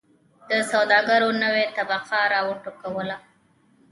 د سوداګرو نوې طبقه را و ټوکوله.